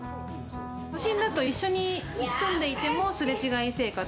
都心だと一緒に住んでいても、すれ違い生活。